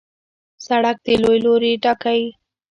سړک د ژوند لوری ټاکي.